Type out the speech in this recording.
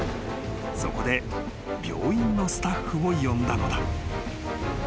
［そこで病院のスタッフを呼んだのだ］